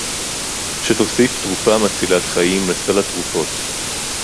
שתוסיף תרופה מצילת חיים לסל התרופות